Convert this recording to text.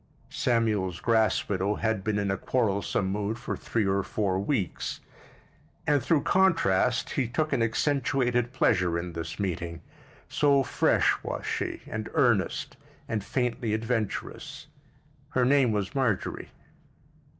Samuel's grass widow had been in a quarrelsome mood for three or four weeks, and through contrast, he took an accentuated pleasure in this meeting; so fresh was she, and earnest, and faintly adventurous. Her name was Marjorie.